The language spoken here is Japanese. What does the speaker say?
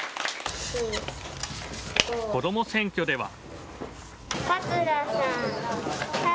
こども選挙では。